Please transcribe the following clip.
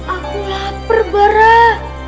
aku lapar barah